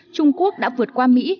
trung quốc đã vượt qua mỹ